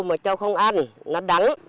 mà châu không ăn nó đắng